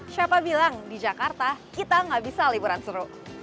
siapa bilang di jakarta kita nggak bisa liburan seru